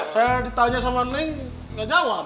saya ditanya sama neng nggak jawab